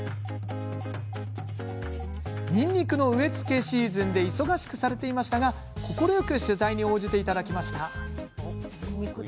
にんにくの植え付けシーズンで忙しくされていましたが快く取材に応じていただきました。